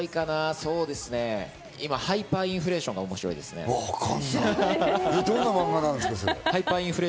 そうですね、今『ハイパーインフレーション』が面白いです。え？